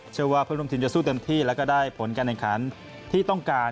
เชื่อว่าเพื่อนร่วมทีมจะสู้เต็มที่แล้วก็ได้ผลการแข่งขันที่ต้องการ